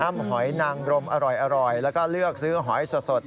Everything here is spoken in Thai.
หอยนางรมอร่อยแล้วก็เลือกซื้อหอยสด